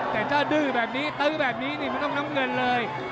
แต่ถ้าดื้อแบบนี้ตื้อแบบนี้นี่มันต้องน้ำเงินเลย